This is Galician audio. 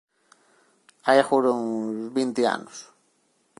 Hai agora uns... vinte anos.